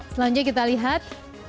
selanjutnya kita lihat